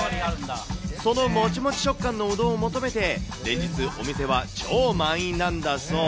そのもちもち食感のうどんを求めて、連日、お店は超満員なんだそう。